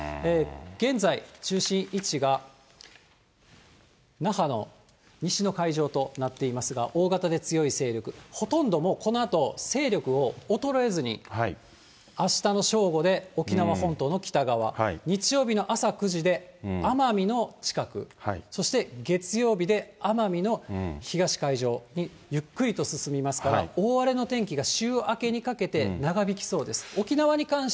現在、中心位置が那覇の西の海上となっていますが、大型で強い勢力、ほとんどもうこのあと勢力を衰えずに、あしたの正午で沖縄本島の北側、日曜日の朝９時で奄美の近く、そして月曜日で奄美の東海上にゆっくりと進みますから、大荒れの天気が週明けにかけて長引きそうです。